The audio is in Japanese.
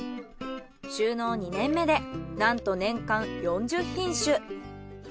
就農２年目でなんと年間４０品種。